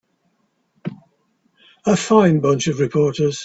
A fine bunch of reporters.